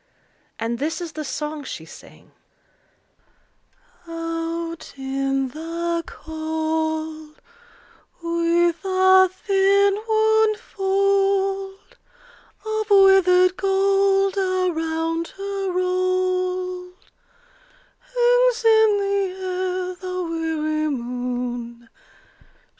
And this is the song she sang:— Out in the cold, With a thin worn fold Of withered gold Around her rolled, Hangs in the air the weary moon.